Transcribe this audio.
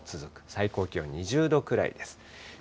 最高気温２０度くらいです。